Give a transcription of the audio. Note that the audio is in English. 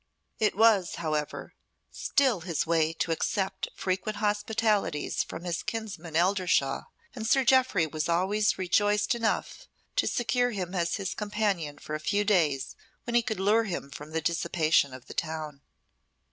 It was, however, still his way to accept frequent hospitalities from his kinsman Eldershawe, and Sir Jeoffry was always rejoiced enough to secure him as his companion for a few days when he could lure him from the dissipation of the town.